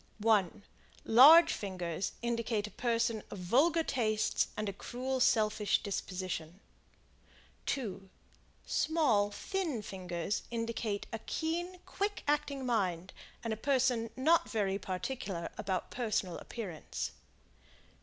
1 Large fingers indicate a person of vulgar tastes and a cruel, selfish disposition. 2 Small, thin fingers indicate a keen, quick acting mind and a person not very particular about personal appearance.